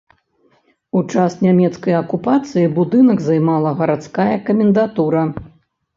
У час нямецкай акупацыі будынак займала гарадская камендатура.